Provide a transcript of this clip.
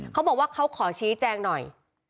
เขาบอกว่าเขาขอชี้แจงหน่อย